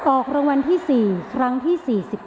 ออกรางวัลที่๔ครั้งที่๔๘